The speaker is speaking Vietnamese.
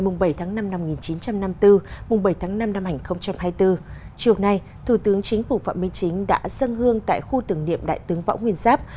mùng bảy tháng năm năm một nghìn chín trăm năm mươi bốn mùng bảy tháng năm năm hai nghìn hai mươi bốn chiều nay thủ tướng chính phủ phạm minh chính đã dâng hương tại khu tưởng niệm đại tướng võ nguyên giáp